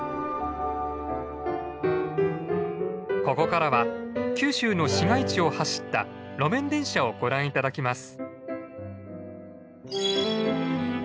ここからは九州の市街地を走った路面電車をご覧頂きます。